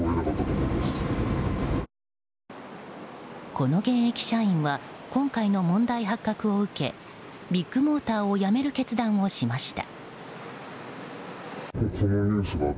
この現役社員は今回の問題発覚を受けビッグモーターを辞める決断をしました。